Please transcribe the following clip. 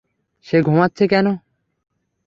সে ঘুমাচ্ছে কেন?